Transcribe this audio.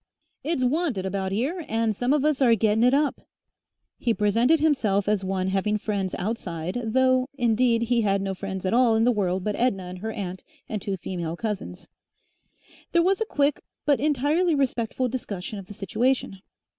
"It's wanted about 'ere, and some of us are gettin' it up." He presented himself as one having friends outside, though indeed, he had no friends at all in the world but Edna and her aunt and two female cousins. There was a quick but entirely respectful discussion of the situation.